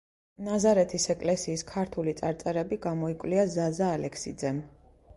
ნაზარეთის ეკლესიის ქართული წარწერები გამოიკვლია ზაზა ალექსიძემ.